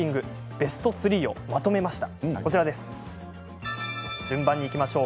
ベスト３をまとめました。